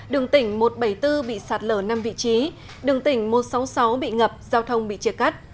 đường tỉnh một trăm bảy mươi bốn bị sạt lở năm vị trí đường tỉnh một trăm sáu mươi sáu bị ngập giao thông bị chia cắt